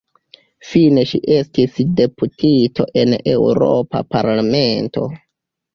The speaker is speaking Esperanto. Fine ŝi estis deputito en Eŭropa Parlamento.